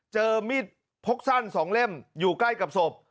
เจอมีดพกสั้น๒เล่มอยู่ใกล้กับศพ